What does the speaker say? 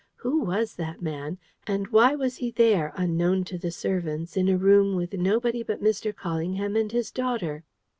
Who was that man? and why was he there, unknown to the servants, in a room with nobody but Mr. Callingham and his daughter?